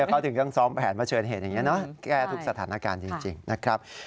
เขาถึงต้องซ้อมแผนมาเชิญเหตุอย่างนี้เนอะแก้ทุกสถานการณ์จริงนะครับ